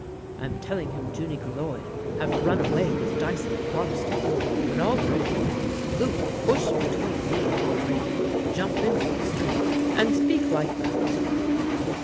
I am telling him Junie Gauloir have run away with Dicey the Protestant, when all very quick Luc push between me and Henri, jump into the street, and speak like that